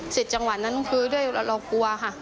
เสร็จจังหวานนั้นูเวลาเรากลัวค่ะ